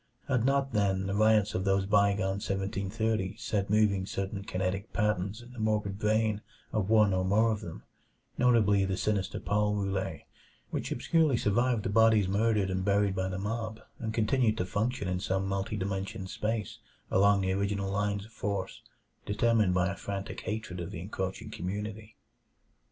Had not, then, the riots of those bygone seventeen thirties set moving certain kinetic patterns in the morbid brain of one or more of them notably the sinister Paul Roulet which obscurely survived the bodies murdered and buried by the mob, and continued to function in some multiple dimensioned space along the original lines of force determined by a frantic hatred of the encroaching community?